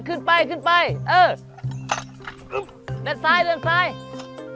ขึ้นไปขึ้นไปเออ